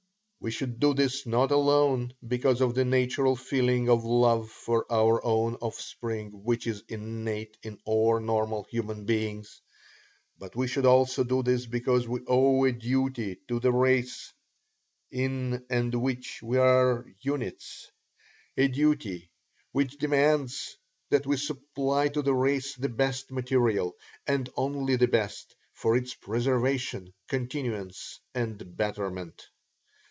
We should do this not alone because of the natural feeling of love for our own offspring which is innate in all normal human beings, but we should also do this because we owe a duty to the race in and which we are units a duty which demands that we supply to the race the best material, and only the best, for its preservation, continuance, and betterment.